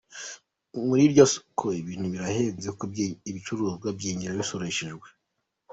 Muri iryo soko ibintu birahenze kuko ibicuruzwa byinjira bisoreshejwe.